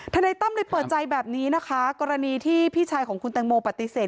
นายตั้มเลยเปิดใจแบบนี้นะคะกรณีที่พี่ชายของคุณแตงโมปฏิเสธ